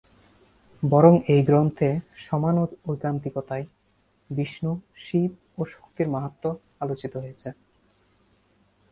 বরং এই গ্রন্থে সমান ঐকান্তিকতায় বিষ্ণু, শিব ও শক্তির মাহাত্ম্য আলোচিত হয়েছে।